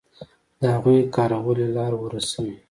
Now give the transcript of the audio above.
د هغوی کارولې لاره ورسوي.